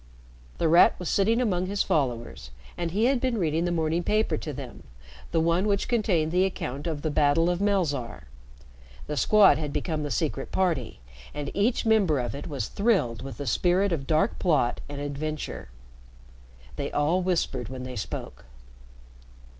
The Rat was sitting among his followers, and he had been reading the morning paper to them, the one which contained the account of the battle of Melzarr. The Squad had become the Secret Party, and each member of it was thrilled with the spirit of dark plot and adventure. They all whispered when they spoke.